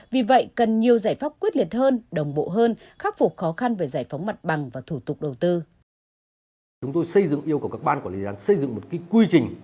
vì vậy cần nhiều giải pháp quyết liệt hơn đồng bộ hơn khắc phục khó khăn về giải phóng mặt bằng và thủ tục đầu tư